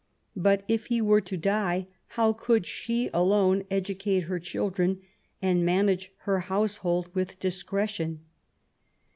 But if he were to die how could she alone educate her children and maiiage her house* hold with discretion